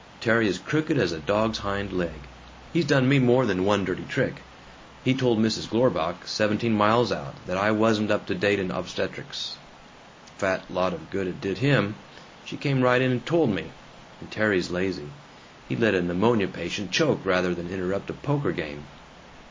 Terry is crooked as a dog's hind leg. He's done me more than one dirty trick. He told Mrs. Glorbach, seventeen miles out, that I wasn't up to date in obstetrics. Fat lot of good it did him! She came right in and told me! And Terry's lazy. He'd let a pneumonia patient choke rather than interrupt a poker game."